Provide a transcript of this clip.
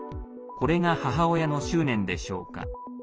これが母親の執念でしょうか。